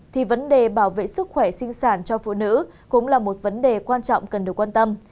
thì vấn đề bảo vệ sức khỏe sinh sản cho phụ nữ cũng là một vấn đề quan trọng cần được quan tâm